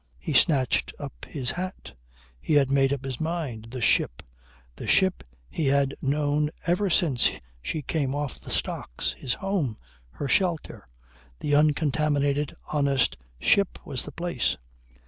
He snatched up his hat. He had made up his mind. The ship the ship he had known ever since she came off the stocks, his home her shelter the uncontaminated, honest ship, was the place.